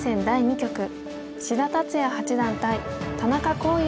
第２局志田達哉八段対田中康